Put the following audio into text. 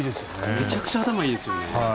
めちゃくちゃ頭いいですよね。